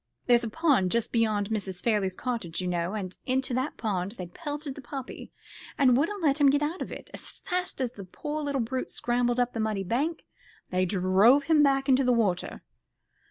There's a pond just beyond Mrs. Farley's cottage, you know, and into that pond they'd pelted the puppy, and wouldn't let him get out of it. As fast as the poor little brute scrambled up the muddy bank they drove him back into the water."